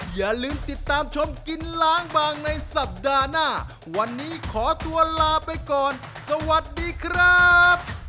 อย่าลืมติดตามชมกินล้างบางในสัปดาห์หน้าวันนี้ขอตัวลาไปก่อนสวัสดีครับ